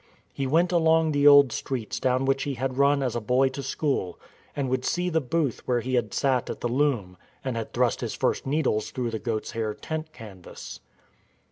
He went along the old streets down which he had run as a boy to school, and would see the booth where he had sat at the loom and had thrust his first needles through the goat's hair tent canvas.